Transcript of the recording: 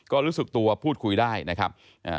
ก็รู้สึกตัวพูดคุยได้นะครับ